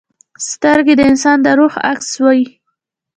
سترګې د انسان د روح عکس وي